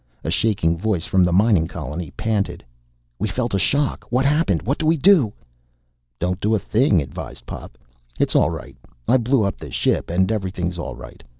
A shaking voice from the mining colony panted: "We felt a shock! What happened? What do we do?" "Don't do a thing," advised Pop. "It's all right. I blew up the ship and everything's all right.